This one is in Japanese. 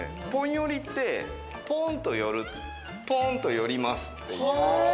ポン寄りってポンと寄る、ポンと寄りますっていう。